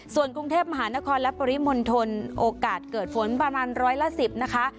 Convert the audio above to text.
ส่วนกรุงเทพมหานครและปริมณฑลโอกาสเกิดฝนประมาณร้อยละ๑๐นะคะ